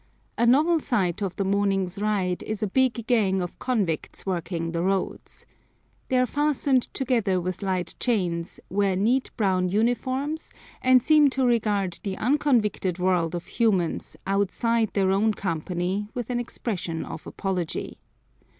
A novel sight of the morning's ride is a big gang of convicts working the roads. They are fastened together with light chains, wear neat brown uniforms, and seem to regard the unconvicted world of humans outside their own company with an expression of apology.